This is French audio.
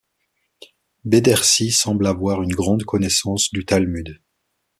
Bedersi semble avoir eu une grande connaissance du Talmud.